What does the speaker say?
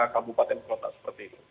delapan puluh dua kabupaten kota seperti itu